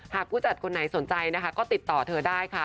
ผู้จัดคนไหนสนใจนะคะก็ติดต่อเธอได้ค่ะ